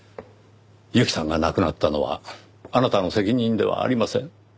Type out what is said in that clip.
由季さんが亡くなったのはあなたの責任ではありません。